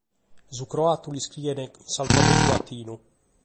Su croatu l’iscrient cun s’alphabetu latinu.